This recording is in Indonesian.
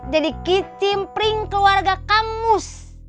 jadi kicimpring keluarga kang mus